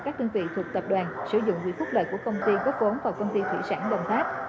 các đơn vị thuộc tập đoàn sử dụng quỹ phúc lợi của công ty góp vốn vào công ty thủy sản đồng tháp